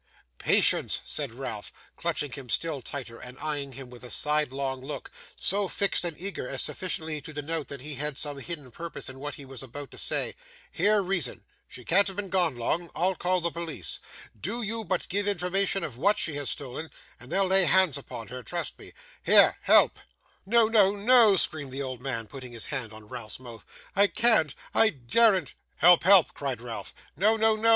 'Patience!' said Ralph, clutching him still tighter and eyeing him with a sidelong look, so fixed and eager as sufficiently to denote that he had some hidden purpose in what he was about to say. 'Hear reason. She can't have been gone long. I'll call the police. Do you but give information of what she has stolen, and they'll lay hands upon her, trust me. Here! Help!' 'No, no, no!' screamed the old man, putting his hand on Ralph's mouth. 'I can't, I daren't.' 'Help! help!' cried Ralph. 'No, no, no!